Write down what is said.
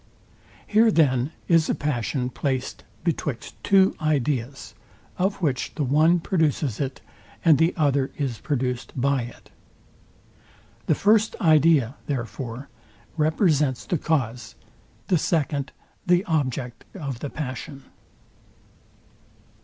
Here then is a passion placed betwixt two ideas, of which the one produces it, and the other is produced by it. The first idea, therefore, represents the cause, the second the object of the passion.